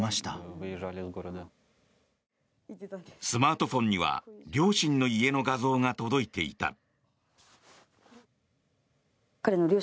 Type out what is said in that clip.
スマートフォンには両親の家の画像が届いていた。